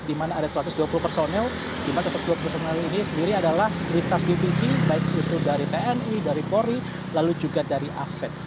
di mana ada satu ratus dua puluh personel di mana satu ratus dua puluh personel ini sendiri adalah lintas divisi baik itu dari tni dari polri lalu juga dari afset